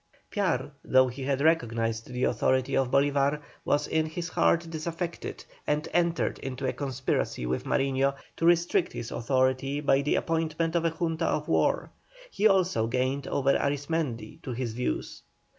Piar, though he had recognized the authority of Bolívar, was in his heart disaffected and entered into a conspiracy with Mariño to restrict his authority by the appointment of a Junta of War; he also gained over Arismendi to his views.